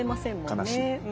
悲しい。